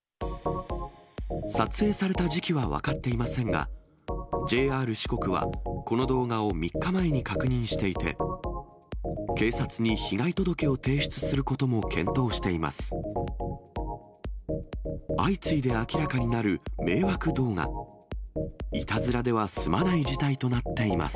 撮影された時期は分かっていませんが、ＪＲ四国は、この動画を３日前に確認していて、警察に被害届を提出することも検討しています。